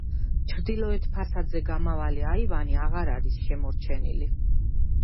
ჩრდილოეთ ფასადზე გამავალი აივანი აღარ არის შემორჩენილი.